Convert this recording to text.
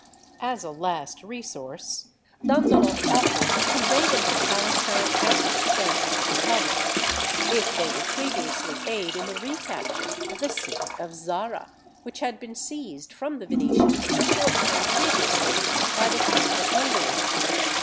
As a last resource, Dandolo offered to convey them to Palestine at the expense of the Republic, if they would previously aid in the recapture of the city of Zara, which had been seized from the Venetians a short time previously by the king of Hungary.